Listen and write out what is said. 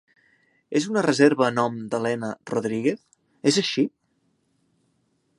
és una reserva a nom d'Elena Rodríguez, és així?